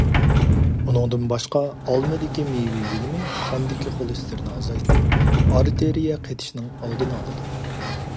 ئۇنىڭدىن باشقا ئالمىدىكى مېۋە يېلىمى قاندىكى خولېستېرىننى ئازايتىپ، ئارتېرىيە قېتىشنىڭ ئالدىنى ئالىدۇ.